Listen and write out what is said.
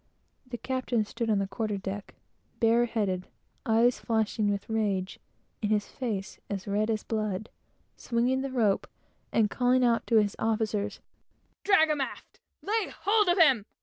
The captain stood on the quarter deck, bare headed, his eyes flashing with rage, and his face as red as blood, swinging the rope, and calling out to his officers, "Drag him aft! Lay hold of him!